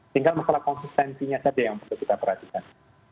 tinggal masalah konsistensinya saja yang perlu kita perhatikan